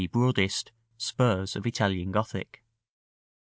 _ broadest, spurs of Italian Gothic.